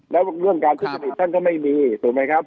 แล้วเรื่องการทุจริตท่านก็ไม่มีถูกไหมครับ